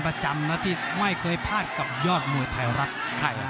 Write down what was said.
ประจำนะที่ไม่เคยพลาดกับยอดมวยไทยรัฐ